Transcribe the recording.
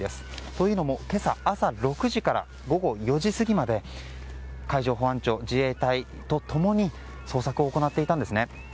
というのも今朝朝６時から午後４時過ぎまで海上保安庁、自衛隊と共に捜索を行っていたんです。